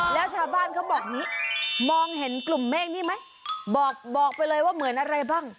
แล้วชาวบ้านเขาบอกอย่างนี้มองเห็นกลุ่มเมฆนี่ไหมบอกบอกไปเลยว่าเหมือนอะไรบ้าง